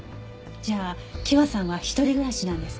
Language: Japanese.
じゃあ希和さんは一人暮らしなんですか？